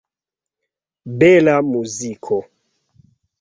Bela muziko!